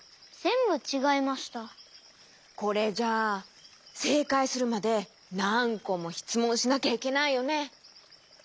これじゃあせいかいするまでなんこもしつもんしなきゃいけないよね。